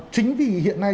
chính vì hiện nay